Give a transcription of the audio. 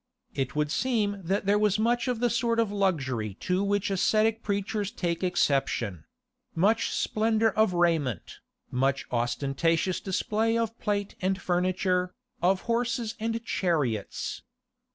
It would seem that there was much of the sort of luxury to which ascetic preachers take exception—much splendour of raiment, much ostentatious display of plate and furniture, of horses and chariots.